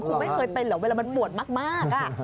คุณไม่เคยเป็นเหรอเวลามันปวดมาก